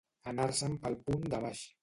Anar-se'n pel punt de baix.